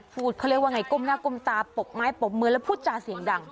เขาเรียกว่าไงก้มหน้าก้มตาปบไม้ปรบมือแล้วพูดจาเสียงดัง